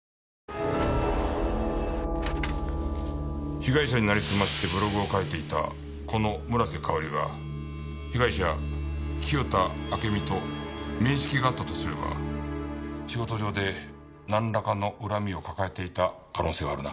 被害者になりすましてブログを書いていたこの村瀬香織が被害者清田暁美と面識があったとすれば仕事上でなんらかの恨みを抱えていた可能性はあるな。